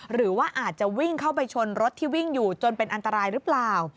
หรือว่าอาจจะวิ่งเข้าไปชนรถที่วิ่งอยู่จนเป็นอันตรายหรือเปล่า